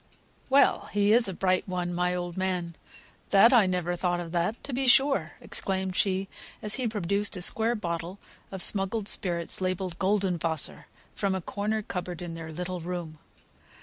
Well! he is a bright one, my old man! That I never thought of that, to be sure!" exclaimed she, as he produced a square bottle of smuggled spirits, labelled "Golden Wasser," from a corner cupboard in their little room.